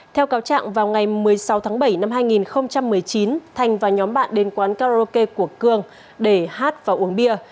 theo cáo trạng vào ngày một mươi sáu tháng bảy năm hai nghìn một mươi chín thành và nhóm bạn đến quán karaoke của cương để hát và uống bia